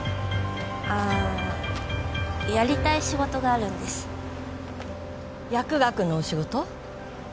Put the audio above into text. あやりたい仕事があるんです薬学の仕事？